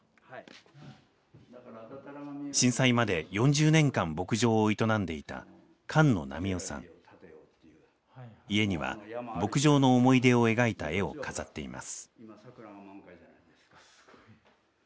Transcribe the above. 震災まで４０年間牧場を営んでいた家には牧場の思い出を描いた絵を飾っています。